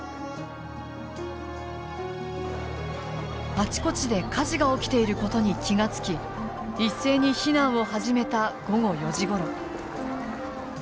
あちこちで火事が起きていることに気が付き一斉に避難を始めた午後４時ごろ。